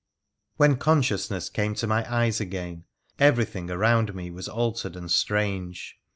CHAPTER V When consciousness came to my eyes again, everything around me was altered and strange.